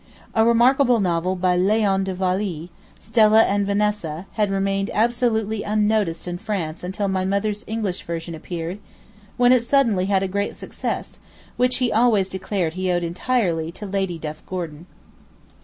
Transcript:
A remarkable novel by Léon de Wailly, 'Stella and Vanessa,' had remained absolutely unnoticed in France until my mother's English version appeared, when it suddenly had a great success which he always declared he owed entirely to Lady Duff Gordon.